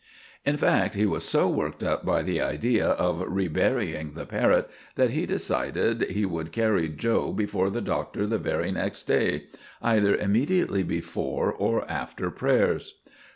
In fact, he was so worked up by the idea of reburying the parrot that he decided he would carry 'Joe' before the Doctor the very next day—either immediately before or after prayers.